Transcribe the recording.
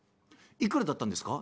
いくらだったんですか？」。